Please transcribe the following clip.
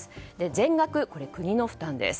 全額国の負担です。